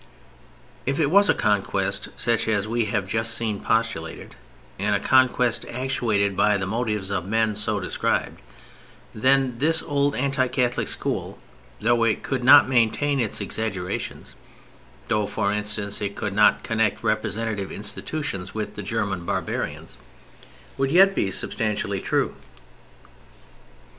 If it was a conquest such as we have just seen postulated, and a conquest actuated by the motives of men so described, then this old anti Catholic school, though it could not maintain its exaggerations (though, for instance, it could not connect representative institutions with the German barbarians) would yet be substantially true.